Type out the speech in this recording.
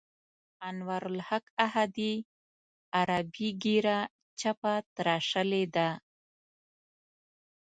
انوارالحق احدي عربي ږیره چپه تراشلې ده.